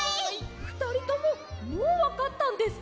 ふたりとももうわかったんですか？